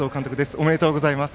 おめでとうございます。